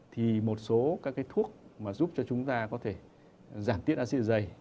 thì một số các cái thuốc mà giúp cho chúng ta có thể giảm tiết acid dạ dày